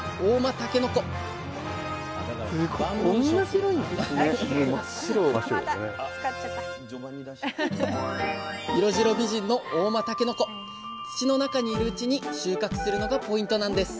土の中にいるうちに収穫するのがポイントなんです。